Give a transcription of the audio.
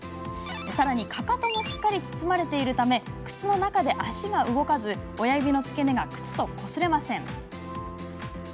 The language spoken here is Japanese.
さらにかかともしっかり包まれているため靴の中で足が動かず親指の付け根が靴とこすれません。